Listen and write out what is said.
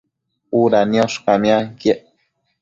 Uda niosh camianquiec